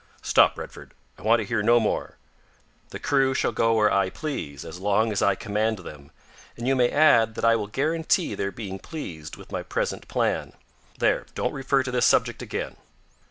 "Stop, Redford, I want to hear no more. The crew shall go where I please as long as I command them; and you may add that I will guarantee their being pleased with my present plan. There, don't refer to this subject again.